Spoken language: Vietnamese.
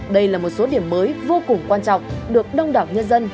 đây là một số điểm mới vô cùng quan trọng được đông đảo nhân dân